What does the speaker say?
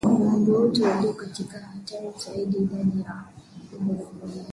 Kwa ngombe wote walio katika hatari zaidi idadi ya vifo inaweza kufika